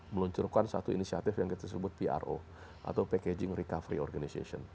meluncurkan satu inisiatif yang kita sebut pro atau packaging recovery organization